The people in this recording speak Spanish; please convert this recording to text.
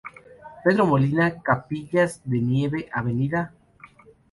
Pedro Molina, Capillas de Nieve, Av.